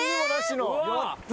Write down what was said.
やった！